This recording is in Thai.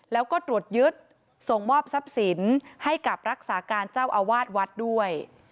แล้วก็ตรวจยึดส่งมอบทรัพย์สินให้กับรักษาการเจ้าอาวาสวัดด้วย